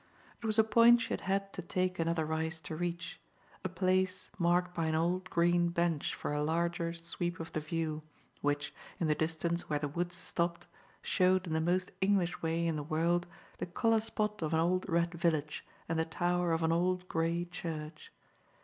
It was a point she had had to take another rise to reach, a place marked by an old green bench for a larger sweep of the view, which, in the distance where the woods stopped, showed in the most English way in the world the colour spot of an old red village and the tower of an old grey church.